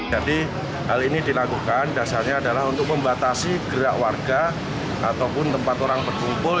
jadi hal ini dilakukan dasarnya adalah untuk membatasi gerak warga ataupun tempat orang berkumpul